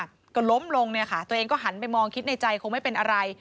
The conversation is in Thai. ก็ล้มลงเนี่ยค่ะตัวเองก็หันไปมองคิดในใจคงไม่เป็นอะไร